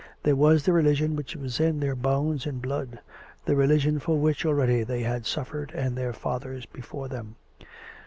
There was the Religion which was in their bones and blood — the Religion for which already they had suffered and their fathers be fore them.